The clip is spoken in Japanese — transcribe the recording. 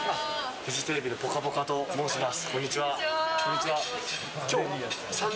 フジテレビの「ぽかぽか」と申します。